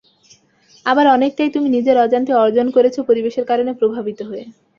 আবার অনেকটাই তুমি নিজের অজান্তে অর্জন করেছ পরিবেশের কারণে প্রভাবিত হয়ে।